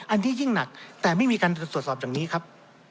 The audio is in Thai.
อันนี้ยิ่งหนักแต่ไม่มีการตรวจสอบอย่างนี้ครับ